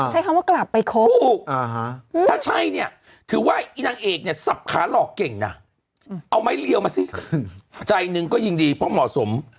ใช้คำว่ากลับไปครบถูกถ้าใช่เนี่ยถือว่าอีนางเอกเนี่ยสับขาหลอกเก่งนะเอาไม้เรียวมาสิใจหนึ่งก็ยิ่งดีเพราะเหมาะสม